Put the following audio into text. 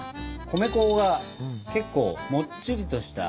米粉が結構もっちりとした。